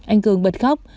anh cường bật khóc